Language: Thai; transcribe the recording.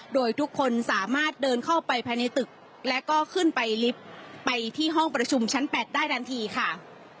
โดยทุกคนสามารถเดินเข้าไปภายในตึกและก็ขึ้นไปลิฟต์ไปที่ห้องประชุมชั้น๘ได้ทันทีค่ะ